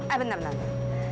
ah bentar bentar